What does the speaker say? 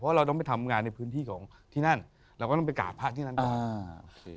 เพราะเราต้องไปทำงานในพื้นที่ของที่นั่นเราก็ต้องไปกราบพระที่นั่นก่อน